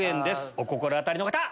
お心当たりの方！